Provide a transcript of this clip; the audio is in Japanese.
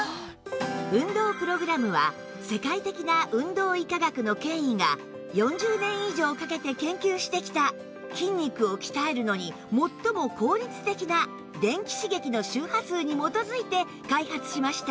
運動プログラムは世界的な運動医科学の権威が４０年以上かけて研究してきた筋肉を鍛えるのに最も効率的な電気刺激の周波数に基づいて開発しました